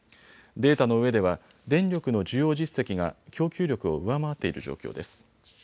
データの上では電力の需要実績が供給力を上回っている状況です。